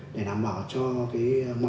để đảm bảo cho mọi người có thể thắng tiện hơn